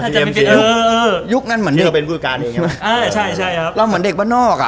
เกมรู้ได้ไงเปลือกว่าจะมาฮาริฟูล่์